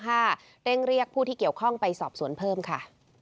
เร่งเรียกผู้ที่เกี่ยวข้องไปสอบสวนเพิ่มค่ะ